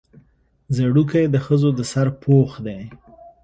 ځړوکی د ښځو د سر پوښ دی